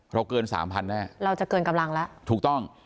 เราเกิน๓๐๐๐แน่เราจะเกินกำลังละถูกต้อง